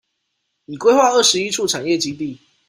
已規劃二十一處產業基地